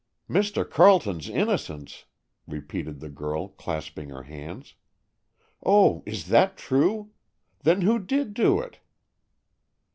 "Mr. Carleton's innocence!" repeated the girl, clasping her hands. "Oh, is that true? Then who did do it?"